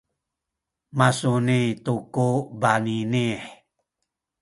masuni tu ku baninih